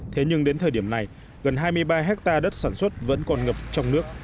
thế nhưng đến thời điểm này gần hai mươi ba hectare đất sản xuất vẫn còn ngập trong nước